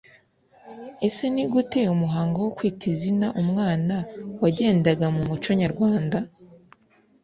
Ese ni gute umuhango wo kwita izina umwana wagendaga mu muco nyarwanda?